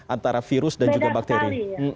antara virus dan juga bakteri